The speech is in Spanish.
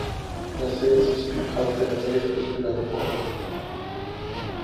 La serie es un spin-off de la series de películas de "Bourne".